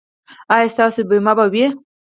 ایا ستاسو بیمه به وي؟